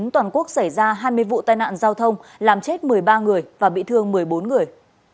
toàn quốc xảy ra hai mươi vụ tai nạn giao thông làm chết một mươi ba người và bị thương một mươi bốn người